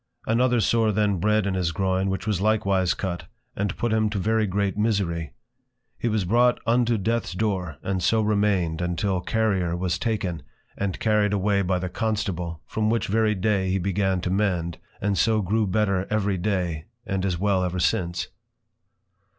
Another Sore then bred in his Groin, which was likewise cut, and put him to very great Misery: He was brought unto Death's Door, and so remained until Carrier was taken, and carried away by the Constable, from which very Day he began to mend, and so grew better every Day, and is well ever since.